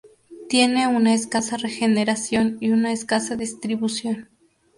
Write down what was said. Tiene una escasa regeneración y una escasa distribución.